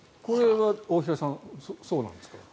これは大平さんそうなんですか？